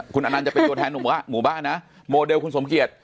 คุณอนันต์จะเป็นตัวแทนหมู่บ้านนะโมเดลคุณสมเกียจ